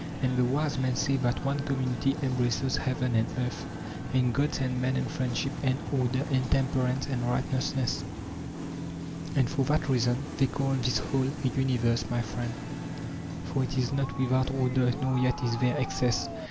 And the wise men say that one com munity embraces heaven and earth and gods and men and friendship and order and temperance and righteous ness, and for that reason they call this whole a universe, afred 134 THE FIRST PHILOSOPHERS OF GREECE my friend, for it is not without order nor yet is there excess.